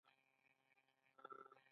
آیا ډالر هلته لیلامیږي؟